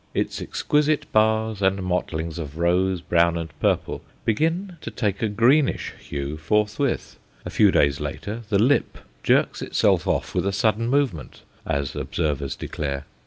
Its exquisite bars and mottlings of rose, brown, and purple begin to take a greenish hue forthwith. A few days later, the lip jerks itself off with a sudden movement, as observers declare.